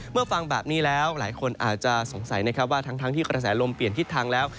ฟังแบบนี้แล้วหลายคนอาจจะสงสัยนะครับว่าทั้งที่กระแสลมเปลี่ยนทิศทางแล้ว